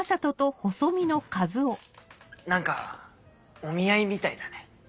何かお見合いみたいだね。